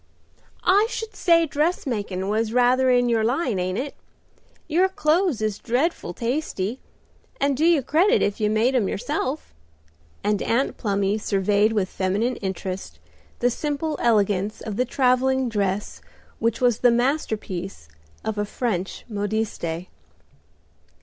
"I should say dressmakin' was rather in your line, ain't it? Your clothes is dreadful tasty, and do you credit if you made 'em yourself." and Aunt Plumy surveyed with feminine interest the simple elegance of the travelling dress which was the masterpiece of a French modiste.